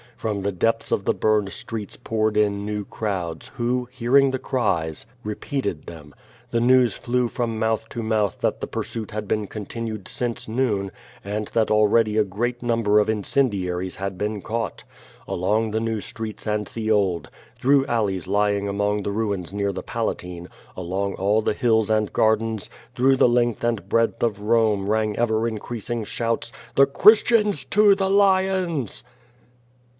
From the depths of the burned streets poured in new crowds, who, hearing the cries, repeated them. The news flew from mouth to mouth that the pursuit had been continued since noon and that already a great number of in QUO VADI8. 375 cendiaries had been caught. Along the new streets and the old, through alleys lying among the ruins near the Palatine, along all the hills and gardens, through the length and breadth of Rome rang ever increasing shouts. "The Christians to the lions!"